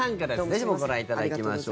ぜひともご覧いただきましょう。